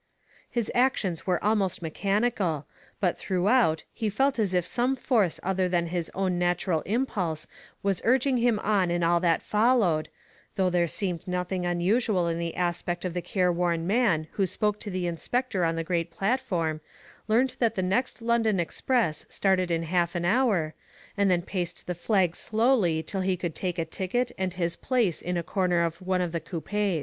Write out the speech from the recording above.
His actions were almost mechanical, but Digitized by Google 276 THE FATE OF FENELLA. throughout he felt as if some force other than his own natural impulse was urgfing him on in all that followed, though there seemed nothing unusual in the aspect of the careworn man who spoke to the inspector on the great platform, learned that the next London express started in half an hour, and then paced the flags slowly till he could take a ticket and his place in a corner of one of the coupes.